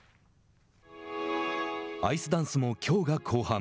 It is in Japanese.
アイスダンスもきょうが後半。